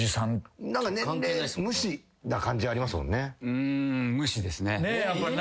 うん無視ですね。